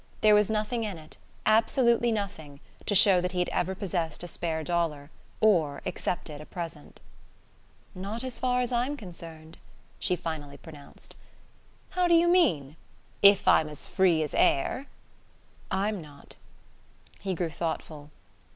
There was nothing in it, absolutely nothing, to show that he had ever possessed a spare dollar or accepted a present. "Not as far as I'm concerned," she finally pronounced. "How do you mean? If I'm as free as air ?" "I'm not." He grew thoughtful.